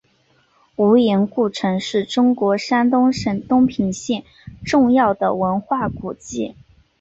无盐故城是中国山东省东平县重要的文化古迹。